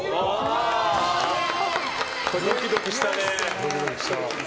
ドキドキしたね。